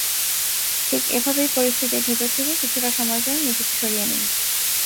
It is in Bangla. ঠিক এভাবেই পরিস্থিতির ভেতর থেকে কিছুটা সময়ের জন্য নিজেকে সরিয়ে নিন।